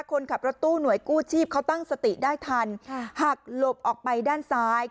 คนขับรถตู้หน่วยกู้ชีพเขาตั้งสติได้ทันหักหลบออกไปด้านซ้าย